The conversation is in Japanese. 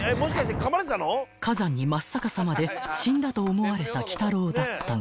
［火山に真っ逆さまで死んだと思われた鬼太郎だったが］